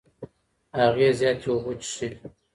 هغې زياتې اوبه څښې.